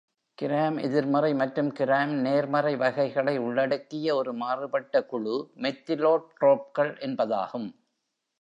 கிராம்-எதிர்மறை மற்றும் கிராம்-நேர்மறை வகைகளை உள்ளடக்கிய ஒரு மாறுபட்ட குழு மெத்திலோட்ரோப்கள் என்பதாகும்.